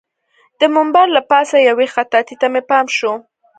د منبر له پاسه یوې خطاطۍ ته مې پام شو.